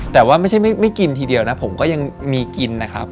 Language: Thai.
แต่ว่าไม่ใช่ไม่กินทีเดียวนะผมก็ยังมีกินนะครับ